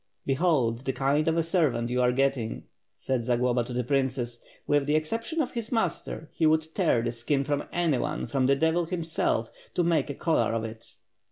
"Behold the kind of a servant you are getting," said Za globa to the princess, "with the exception of his master, he would tear the skin from anyone, from the devil himself, to make a collar of it."